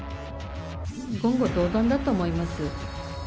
言語道断だと思います。